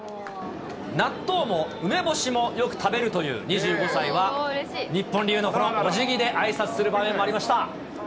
納豆も梅干しもよく食べるという２５歳は、日本流のこのおじぎであいさつする場面もありました。